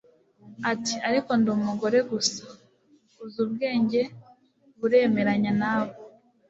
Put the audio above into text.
ati ariko ndi umugore gusa uzi. ubwenge buremeranya nawe